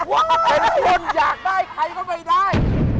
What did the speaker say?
ว้าวแค่คนอยากได้ใครก็ไม่ได้